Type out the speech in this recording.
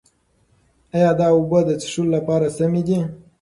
ایا دا اوبه د څښلو لپاره سمې دي؟